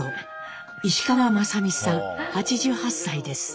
石川正美さん８８歳です。